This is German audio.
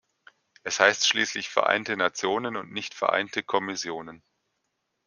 Es heißt schließlich Vereinte Nationen und nicht "Vereinte Kommissionen".